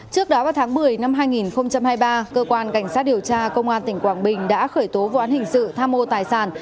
trước đó vào tháng một mươi năm hai nghìn hai mươi ba cơ quan cảnh sát điều tra công an tỉnh quảng bình đã khởi tố vụ án hình sự tham mô tài sản